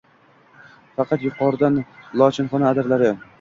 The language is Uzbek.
Faqat yuqoridan – lochinxona adirlari